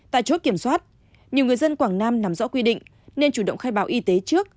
tại chốt kiểm soát nhiều người dân quảng nam nằm rõ quy định nên chủ động khai báo y tế trước